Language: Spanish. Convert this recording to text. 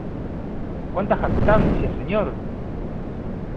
¡ cuánta jactancia, señor!